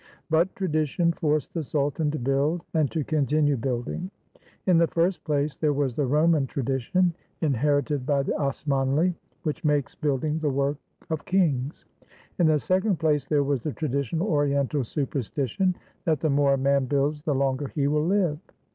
But tradition forced the sultan to build and to continue building. In the first place, there was the Roman tradi tion, inherited by the Osmanli, which makes building the work of kings. In the second place, there was the traditional Oriental superstition that the more a man builds the longer he will live.